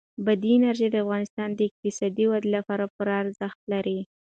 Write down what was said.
بادي انرژي د افغانستان د اقتصادي ودې لپاره پوره ارزښت لري.